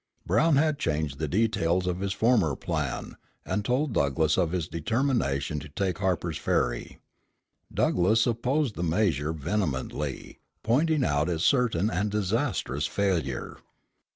Brown had changed the details of his former plan, and told Douglass of his determination to take Harpers Ferry. Douglass opposed the measure vehemently, pointing out its certain and disastrous failure.